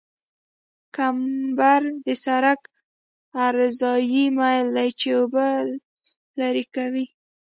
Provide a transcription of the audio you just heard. کمبر د سرک عرضاني میل دی چې اوبه لرې کوي